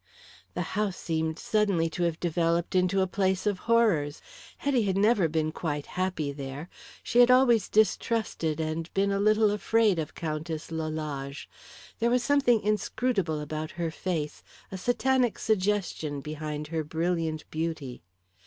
The house seemed suddenly to have developed into a place of horrors. Hetty had never been quite happy there. She had always distrusted and been a little afraid of Countess Lalage. There was something inscrutable about her face, a Satanic suggestion behind her brilliant beauty.